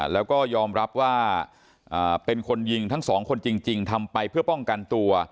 แล้วก็ยอมรับว่าเป็นคนยิงทั้งสองคนจริงทำไปเพื่อป้องกันตัว